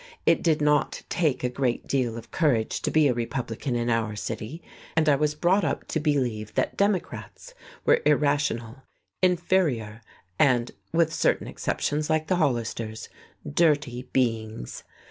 It did not take a great deal of courage to be a Republican in our city, and I was brought up to believe that Democrats were irrational, inferior, and with certain exceptions like the Hollisters dirty beings.